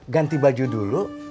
ganti baju dulu